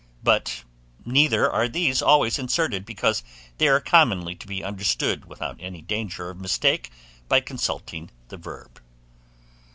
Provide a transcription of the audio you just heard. But neither are these always inserted, because they are commonly to be understood, without any danger of mistake, by consulting the verb.